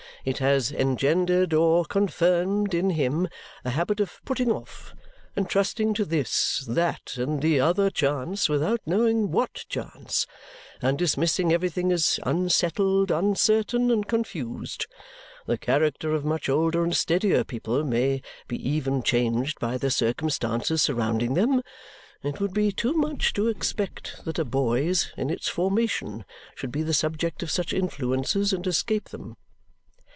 It has engendered or confirmed in him a habit of putting off and trusting to this, that, and the other chance, without knowing what chance and dismissing everything as unsettled, uncertain, and confused. The character of much older and steadier people may be even changed by the circumstances surrounding them. It would be too much to expect that a boy's, in its formation, should be the subject of such influences and escape them."